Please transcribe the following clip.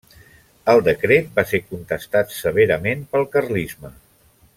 El decret va ser contestat severament pel carlisme.